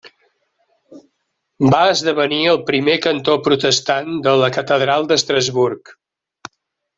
Va esdevenir el primer cantor protestant de la catedral d'Estrasburg.